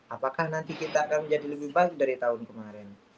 apakah nanti kita akan menjadi lebih baik dari tahun kemarin